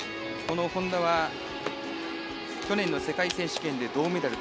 本多は去年の世界選手権で銅メダル。